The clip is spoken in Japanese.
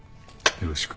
よろしく。